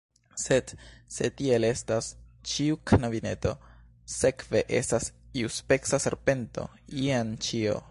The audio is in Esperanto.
"Sed, se tiel estas, ĉiu knabineto sekve estas iuspeca serpento. Jen ĉio!"